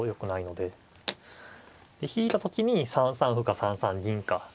で引いた時に３三歩か３三銀か。